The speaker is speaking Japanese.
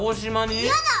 やだ！